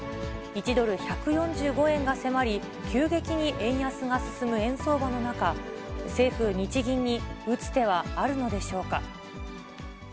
１ドル１４５円が迫り、急激に円安が進む円相場の中、政府・日銀に打つ手はあるのでしょうか。